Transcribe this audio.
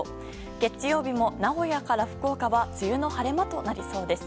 月曜日も名古屋から福岡は梅雨の晴れ間となりそうです。